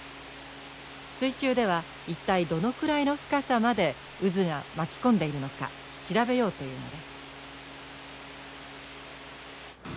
水中では一体どのくらいの深さまで渦が巻き込んでいるのか調べようというのです。